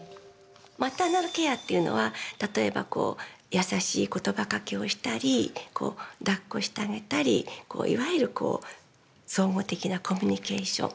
マターナルケアというのは例えば優しいことばかけをしたりだっこしてあげたり、いわゆる総合的なコミュニケーション。